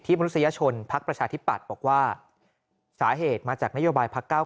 มนุษยชนพักประชาธิปัตย์บอกว่าสาเหตุมาจากนโยบายพักเก้า